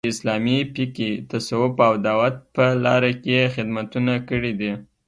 چې د اسلامي فقې، تصوف او دعوت په لاره کې یې خدمتونه کړي دي